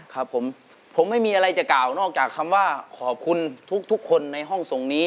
ครับผมผมไม่มีอะไรจะกล่าวนอกจากคำว่าขอบคุณทุกคนในห้องทรงนี้